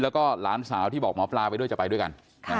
แล้วก็หลานสาวที่บอกหมอปลาไปด้วยจะไปด้วยกัน